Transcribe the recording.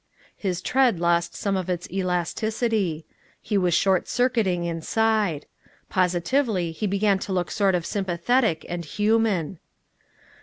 His tread lost some of its elasticity. He was short circuiting inside. Positively he began to look sort of sympathetic and human.